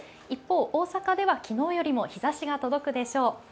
一方、大阪では昨日よりも日ざしが届くでしょう。